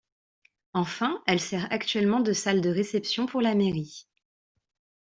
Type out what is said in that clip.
Enfin, elle sert actuellement de salle de réception pour la mairie.